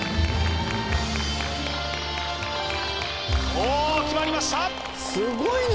おー決まりました！